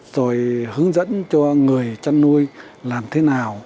rồi hướng dẫn cho người chăn nuôi làm thế nào